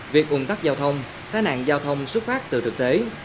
việc ung tắt giao thông tai nạn giao thông xuất phát từ thực tế